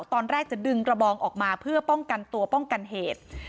ตอนแรกจะดึงกระบองออกมาเพื่อป้องกันตัวป้องกันเหตุ